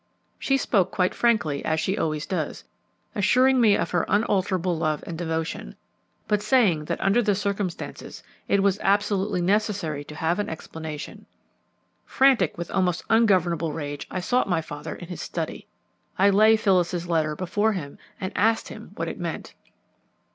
She spoke quite frankly, as she always does, assuring me of her unalterable love and devotion, but saying that under the circumstances it was absolutely necessary to have an explanation. Frantic with almost ungovernable rage, I sought my father in his study. I laid Phyllis's letter before him and asked him what it meant.